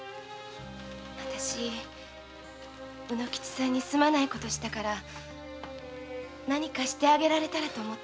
あたし卯之吉さんにすまない事したから何かしてあげられたらと思ったの。